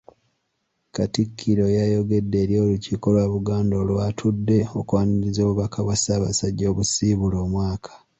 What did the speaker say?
Katikkiro yayogedde eri Olukiiko lwa Buganda olwatudde okwaniriza obubaka bwa Ssaabasajja obusiibula omwaka.